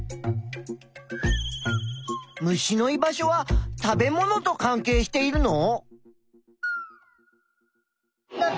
虫の居場所は食べものとかんけいしているの？